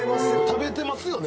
食べてますよね。